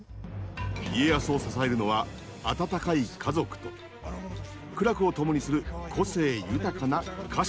家康を支えるのは温かい家族と苦楽を共にする個性豊かな家臣たち。